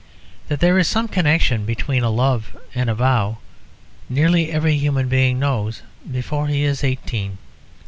That there is some connection between a love and a vow nearly every human being knows before he is eighteen.